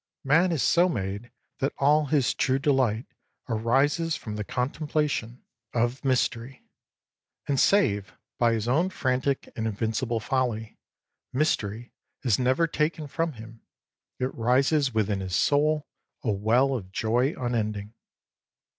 Man is so made that all his true delight arises from the contemplation xii PREFACE of mystery, and save by his own frantic and invincible folly, mystery is never taken from him; it rises within his soul, a well of joy unending.